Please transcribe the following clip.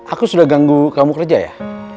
aku sudah ganggu kamu kerja ya